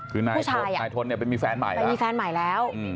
คือนายทนเนี่ยไปมีแฟนใหม่แล้ว